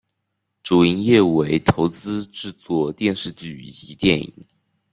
主营业务为投资制作电视剧以及电影。